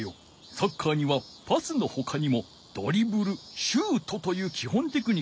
サッカーにはパスのほかにもドリブルシュートというきほんテクニックがあるぞい。